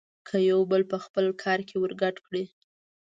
که يو بل په خپل کار کې ورګډ کړي.